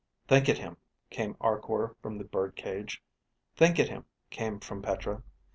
Think at him, came Arkor from the bird cage. Think at him, came from Petra.